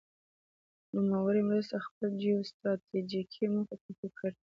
نوموړو مرستو خپل جیو ستراتیجیکې موخې تعقیب کړې.